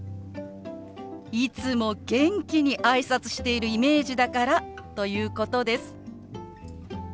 いつも元気に挨拶してるイメージだからということです。